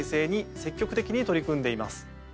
積極的に取り組んでいます。